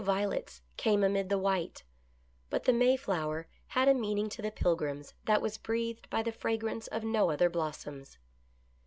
violets came amid the white, but the Mayflower had a meaning to the Pilgrims that was breathed by the fra grance of no other blossoms.